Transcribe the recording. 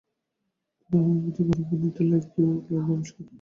তিনি হোমিওপ্যাথির আরোগ্য নীতি “লাইক কিউর লাইক” আবিষ্কার করেন।